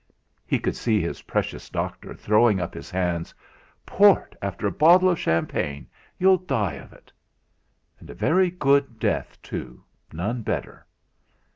He could see his precious doctor throwing up his hands: "Port after a bottle of champagne you'll die of it!" And a very good death too none better.